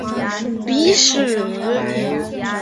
万历三十八年庚戌科第三甲第九十名进士。